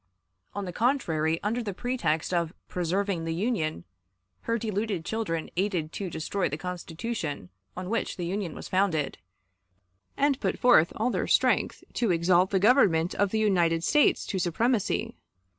On the contrary, under the pretext of "preserving the Union," her deluded children aided to destroy the Constitution on which the Union was founded, and put forth all their strength to exalt the Government of the United States to supremacy.